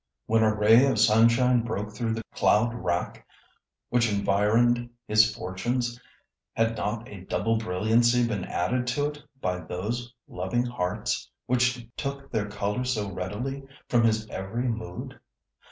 When a ray of sunshine broke through the cloud wrack which environed his fortunes, had not a double brilliancy been added to it by those loving hearts which took their colour so readily from his every mood?